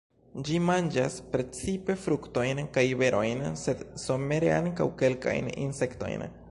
Ĝi manĝas precipe fruktojn kaj berojn, sed somere ankaŭ kelkajn insektojn.